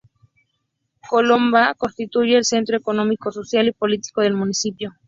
Colomba, constituye el centro económico, social y político del municipio.